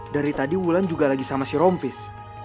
dari tadi wulan juga lagi sama si rompis